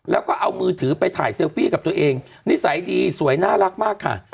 แล้วก็เอามือถือไปถ่ายเซลฟี่กับตัวเองนิสัยดีสวยน่ารักมากค่ะ